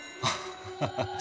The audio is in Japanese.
ハッハハ。